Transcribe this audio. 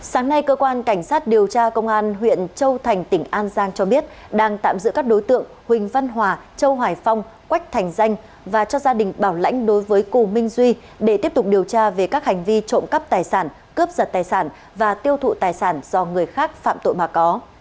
sáng nay cơ quan cảnh sát điều tra công an huyện châu thành tỉnh an giang cho biết đang tạm giữ các đối tượng huỳnh văn hòa châu hoài phong quách thành danh và cho gia đình bảo lãnh đối với cù minh duy để tiếp tục điều tra về các hành vi trộm cắp tài sản cướp giật tài sản và tiêu thụ tài sản do người khác phạm tội mà có